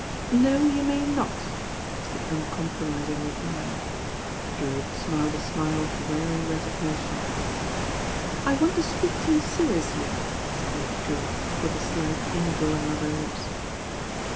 "No, you may not," was the uncompromising reply. Drewitt smiled a smile of weary resignation. "I want to speak to you seriously," said Lady Drewitt, with a slight indrawing of her lips.